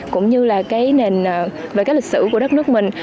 cũng như là cái nền về cái lịch sử của đất nước mình